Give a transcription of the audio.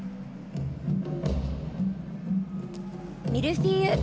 ミルフィーユ。